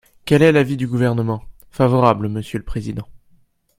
Quel est l’avis du Gouvernement ? Favorable, monsieur le président.